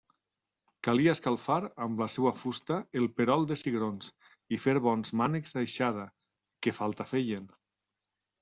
Calia escalfar amb la seua fusta el perol de cigrons i fer bons mànecs d'aixada, que falta feien.